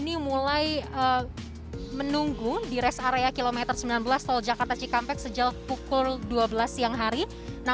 namun mereka baru bergerak memulai perjalanan bertepatan dengan waktu berbuka puasa